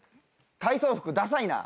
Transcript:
体操服ださいな。